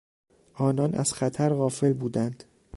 آنان از خطر غافل بودند.